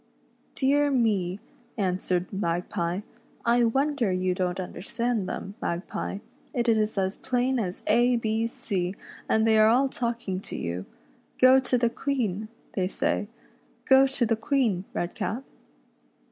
" Dear me," answered Magpie, " I wonder you don't understand them, Redcap ; it is as plain as A B C, and they are all talking to you. ' Go to the Queen,' they say. ' Go to the Queen, Redcap.'